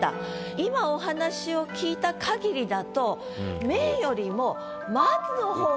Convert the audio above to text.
今お話を聞いた限りだと「名」よりも。